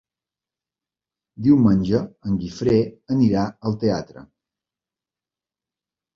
Diumenge en Guifré anirà al teatre.